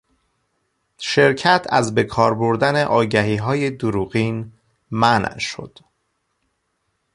شرکت از به کار بردن آگهیهای دروغین منع شد.